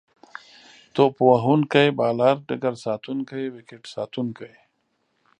توپ وهونکی، بالر، ډګرساتونکی، ويکټ ساتونکی